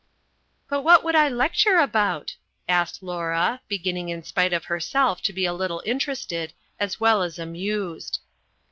"But what should I lecture about?" asked Laura, beginning in spite of herself to be a little interested as well as amused.